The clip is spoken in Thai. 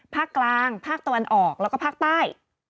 ภาคกลางภาคตะวันออกแล้วก็ภาคใต้